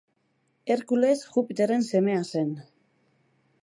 Herkules Jupiterren semea zen.